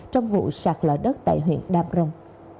trong vụ sạc lở đất tại huyện đam rồng